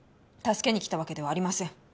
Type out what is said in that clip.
助けに来たわけではありません。